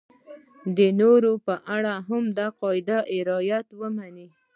د نورو په اړه هم د دې قاعدو رعایت ومني.